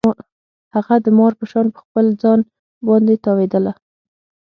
هغه د مار په شان په خپل ځان باندې تاوېدله.